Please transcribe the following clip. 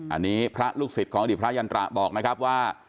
อันนี้พระลูกศิษย์ของอดีตพระยันตราบอกนะครับว่า